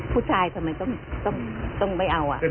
ผู้ชายทำไมต้องไปเอา